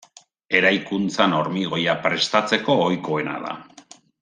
Eraikuntzan hormigoia prestatzeko ohikoena da.